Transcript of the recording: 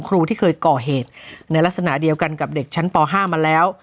ครูที่เคยก่อเหตุในลักษณะเดียวกันกับเด็กชั้นป๕มาแล้ว